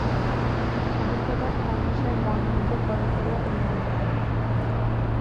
সাহিত্যপাঠ মানুষের মননকে করে তোলে উন্নততর।